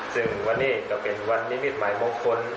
ซึ่งวันนี้ก็เป็นวันนิมิตหมายมงคล